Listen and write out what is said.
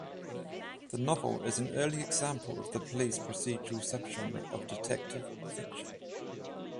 The novel is an early example of the police procedural subgenre of detective fiction.